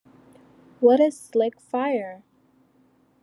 What a slick fire!